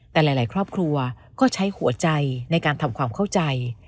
แต่หลายครอบครัวก็ใช้หัวใจในการทำความเข้าใจ